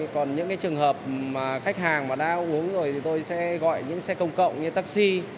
còn những trường hợp khách hàng đã uống rồi tôi sẽ gọi những xe công cộng như taxi